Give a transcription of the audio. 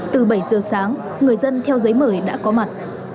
từ bảy giờ sáng người dân theo giấy mời đã có mặt